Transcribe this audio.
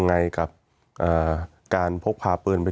มีความรู้สึกว่ามีความรู้สึกว่า